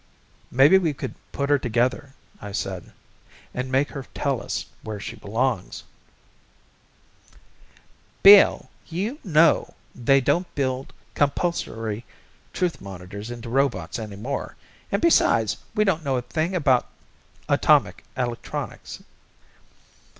"Maybe we could put her together," I said, "and make her tell us where she belongs." "Bill, you know they don't build compulsory truth monitors into robots any more, and besides we don't know a thing about atomic electronics."